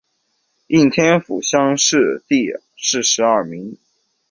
应天府乡试第四十二名。